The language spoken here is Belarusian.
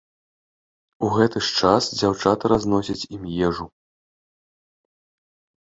У гэты ж час дзяўчаты разносяць ім ежу.